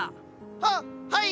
ははい！